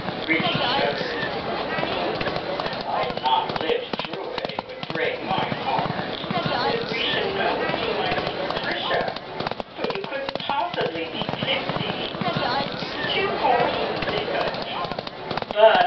Bridgie shuddered. "I'd not live through it! It would break my heart. With a Grecian nose you might be Patricia, but you couldn't possibly be Pixie. It's too horrible to think of!"